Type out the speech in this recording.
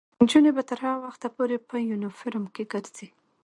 نجونې به تر هغه وخته پورې په یونیفورم کې ګرځي.